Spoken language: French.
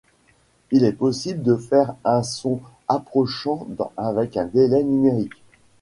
Il est possible de faire un son approchant avec un delay numérique.